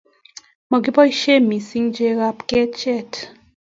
makiboisien mising chekap keche